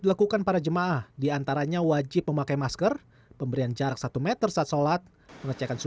rukun rukunnya kita jalankan